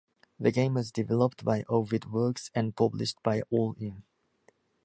The game was developed by Ovid Works and published by All in!